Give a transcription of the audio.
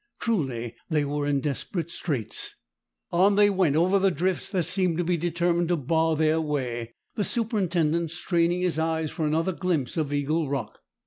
Truly they were in desperate straits. On they went over the drifts that seemed to be determined to bar their way, the superintendent straining his eyes for another glimpse of Eagle Rock.